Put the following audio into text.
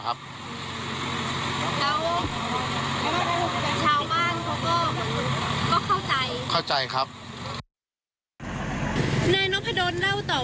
ชาวบ้านเขาะเขาใจเข้าใจครับในนพดลเล่าต่อว่า